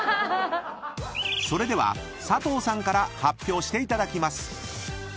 ［それでは佐藤さんから発表していただきます］